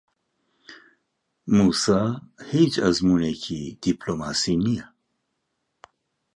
مووسا هیچ ئەزموونێکی دیپلۆماسی نییە.